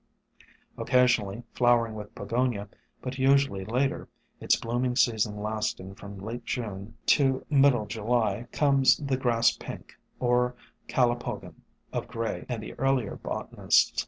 Occasionally flowering with Pogonia, but usually later, its blooming season lasting from late June 142 SOME HUMBLE ORCHIDS CALOPdcON to middle July, comes the Grass Pink or Calopogon of Gray and the earlier botanists.